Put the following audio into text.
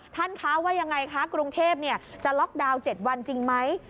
ท่านคะว่ายังไงคะกรุงเทพจะล็อกดาวน์๗วันจริงไหม